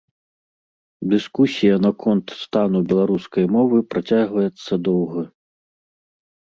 Дыскусія наконт стану беларускай мовы працягваецца доўга.